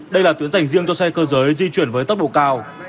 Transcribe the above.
đây là tuyến dành riêng cho xe cơ giới di chuyển với tốc độ cao